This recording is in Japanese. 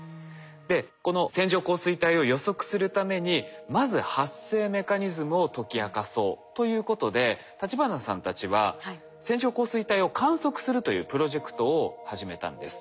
でこの線状降水帯を予測するためにまず発生メカニズムを解き明かそうということで立花さんたちは線状降水帯を観測するというプロジェクトを始めたんです。